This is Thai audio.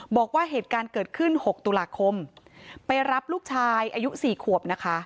บอกว่าเหตุการณ์เกิดขึ้น๖ตุลาคมไปรับลูกชายอายุ๔ขวบนะคะ